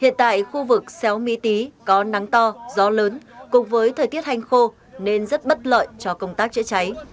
hiện tại khu vực xéo mỹ tí có nắng to gió lớn cùng với thời tiết hành khô nên rất bất lợi cho công tác chữa cháy